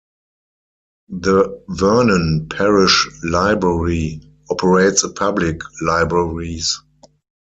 The Vernon Parish Library operates public libraries.